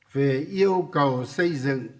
về yêu cầu xây dựng